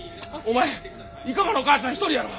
前生駒のお母さん一人やろ。